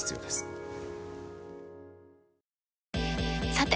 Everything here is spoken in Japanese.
さて！